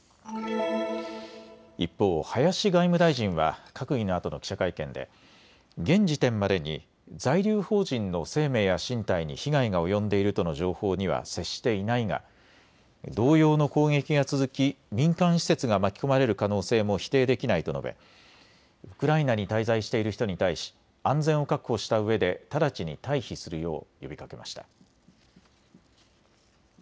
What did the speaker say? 一方、林外務大臣は閣議のあとの記者会見で現時点までに在留邦人の生命や身体に被害が及んでいるとの情報には接していないが同様の攻撃が続き民間施設が巻き込まれる可能性も否定できないと述べウクライナに滞在している人に対し、安全を確保したうえで直ちに退避するよう呼びかけました。